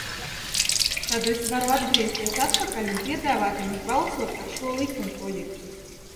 Tad es varu atgriezties atpakaļ un piedāvāt jums balsot par šo likumprojektu.